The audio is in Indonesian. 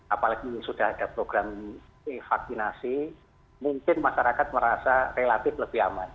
apalagi sudah ada program vaksinasi mungkin masyarakat merasa relatif lebih aman